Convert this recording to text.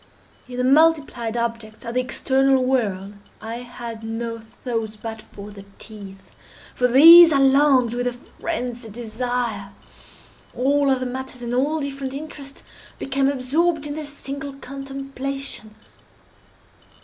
In the multiplied objects of the external world I had no thoughts but for the teeth. For these I longed with a phrenzied desire. All other matters and all different interests became absorbed in their single contemplation.